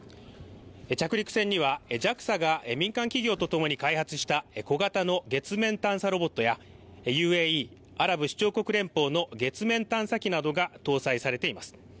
着陸船にはＪＡＸＡが民間企業とともに開発した小型の月面探査ロボットやＵＡＥ＝アラブ首長国連邦の月面探査機などが搭載されています。